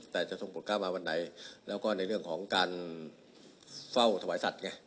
แต่จะส่งผลก้าวมาวันไหนแล้วก็ในเรื่องของการเฝ้าถวายสัตว์ไง